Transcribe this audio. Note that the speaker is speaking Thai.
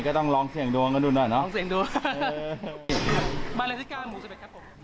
อันนี้ก็ต้องลองเสียงดวงกันดูหน่อยเนอะลองเสียงดวง